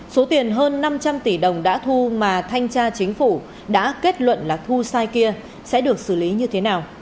số tiền hơn năm trăm linh tỷ đồng đã thu mà thanh tra chính phủ đã kết luận là thu sai kia sẽ được xử lý như thế nào